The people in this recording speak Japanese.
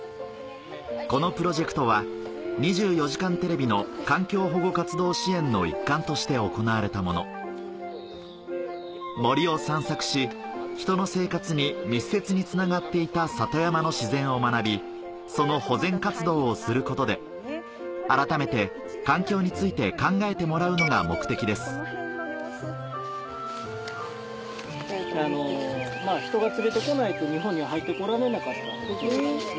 このプロジェクトは『２４時間テレビ』の環境保護活動支援の一環として行われたもの森を散策し人の生活に密接につながっていた里山の自然を学びその保全活動をすることで改めて環境について考えてもらうのが目的です人が連れてこないと日本には入ってこられなかった。